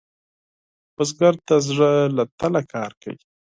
بزګر د زړۀ له تله کار کوي